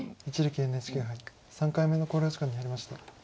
一力ＮＨＫ杯３回目の考慮時間に入りました。